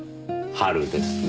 春ですね。